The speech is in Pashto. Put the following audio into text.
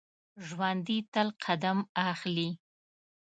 ژوندي تل قدم اخلي